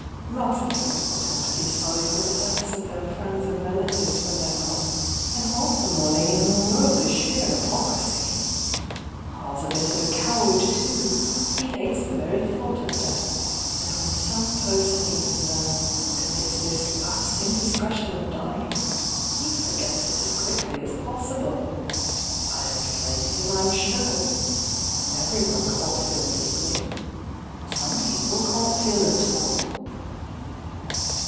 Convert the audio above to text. Lots of people pretend to be sorry for the deaths of their friends and relatives when they're not; and half the mourning in the world is sheer hypocrisy! Pa's a bit of a coward, too — he hates the very thought of death, and when some person he has known commits this last indiscretion of dying, he forgets it as quick^ is possible. I don't blame him, I'm sure. Eve! . can't feel deeply — some people can't feel at all.